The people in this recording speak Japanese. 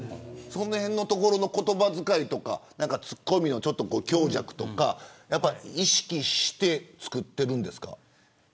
そのへんの言葉遣いとかツッコミの強弱とか意識して作っているんですか。